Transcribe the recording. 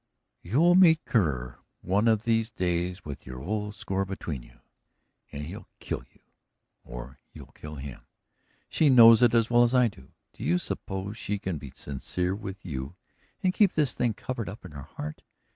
"You'll meet Kerr one of these days with your old score between you, and he'll kill you or you'll kill him. She knows it as well as I do. Do you suppose she can be sincere with you and keep this thing covered up in her heart?